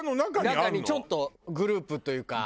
中にちょっとグループというか。